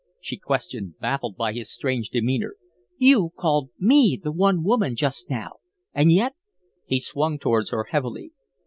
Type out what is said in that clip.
she questioned, baffled by his strange demeanor. "You called ME the one woman just now, and yet " He swung towards her heavily.